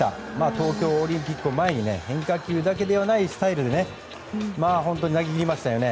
東京オリンピックを前に変化球だけではないスタイルで投げ切りましたよね。